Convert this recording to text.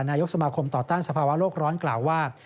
นายกสมาคมต่อต้านสภาวะโลกร้อนกล่าวว่า